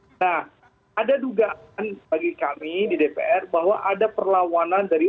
nah ada dugaan bagi kami di dpr bahwa ada perlawanan dari